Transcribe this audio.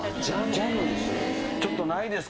ちょっとないですか？